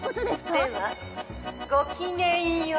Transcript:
ではごきげんよう。